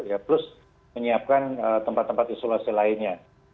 ya plus menyiapkan tempat tempat isolasi lainnya